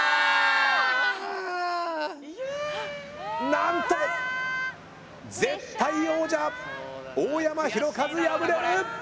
何と絶対王者大山大和敗れる。